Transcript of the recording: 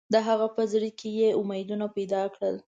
د هغه په زړه کې یې امیدونه پیدا کړل.